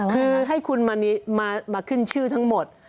คือให้คุณมาขึ้นชื่อทั้งหมด